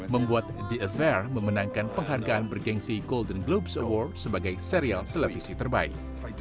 membuat the affair memenangkan penghargaan bergensi golden globes award sebagai serial televisi terbaik